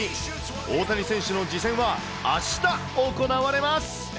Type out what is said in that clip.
大谷選手の次戦はあした行われます。